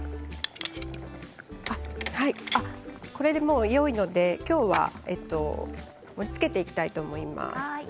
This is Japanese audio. これでよいので、今日は盛りつけていきたいと思います。